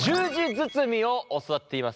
包みを教わっています。